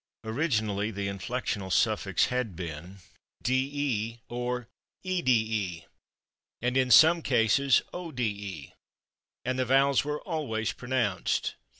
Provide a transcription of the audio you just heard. Originally, the inflectional suffix had been / de/ or / ede/ and in some cases / ode/, and the vowels were always pronounced.